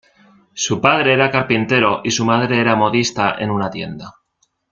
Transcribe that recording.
Su padre era carpintero y su madre era modista en una tienda.